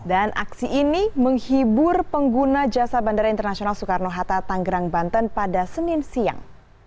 dan aksi ini menghibur pengguna jasa bandara internasional soekarno hatta tanggerang banten pada senin siang